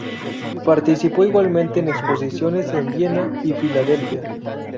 Participó igualmente en exposiciones en Viena y Filadelfia.